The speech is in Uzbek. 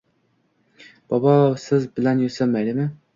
Bobo, siz bilan yotsam maylimi?